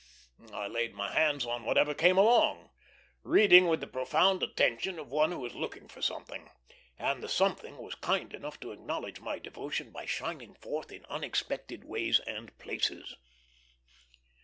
I laid my hands on whatever came along, reading with the profound attention of one who is looking for something; and the something was kind enough to acknowledge my devotion by shining forth in unexpected ways and places.